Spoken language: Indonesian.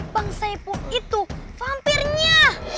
bang saipul itu vampirnya